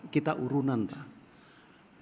kita urunan pak